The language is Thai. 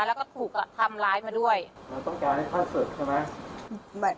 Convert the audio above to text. แล้วก็ถูกทำร้ายมาด้วยเราต้องการให้ฆ่าศึกใช่ไหม